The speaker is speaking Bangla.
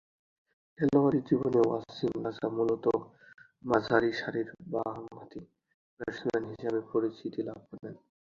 খেলোয়াড়ী জীবনে ওয়াসিম রাজা মূলতঃ মাঝারিসারির বামহাতি ব্যাটসম্যান হিসেবে পরিচিতি লাভ করেন।